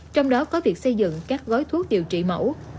trong đó có việc xây dựng các gói thuốc điều trị mẫu